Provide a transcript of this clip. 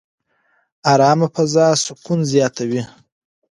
ارامه فضا سکون زیاتوي.